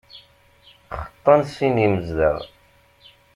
Xeṭṭan sin imezdaɣ.